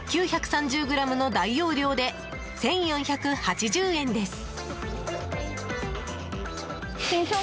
９３０ｇの大容量で１４８０円です。